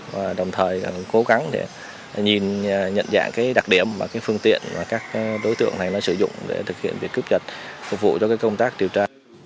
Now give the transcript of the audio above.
và đồng thời cố gắng nhìn nhận dạng đặc điểm và phương tiện các đối tượng này sử dụng để thực hiện việc cướp giật phục vụ cho công tác điều tra